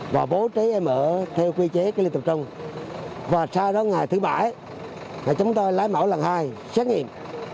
và bố trí em ở theo quy chế cây lưu tập trung và sau đó ngày thứ bảy chúng tôi lái mẫu lần hai xét nghiệm